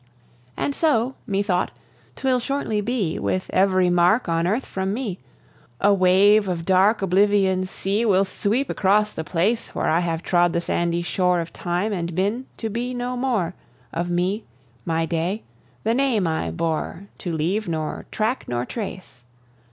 And so, methought, 'twill shortly be With every mark on earth from me: A wave of dark oblivion's sea Will sweep across the place Where I have trod the sandy shore Of time, and been, to be no more, Of me my day the name I bore, To leave nor track nor trace.